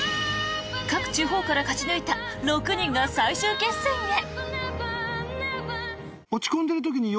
各地方から勝ち抜いた６人が最終決戦へ！